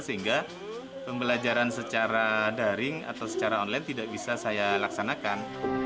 sehingga pembelajaran secara daring atau secara online tidak bisa saya laksanakan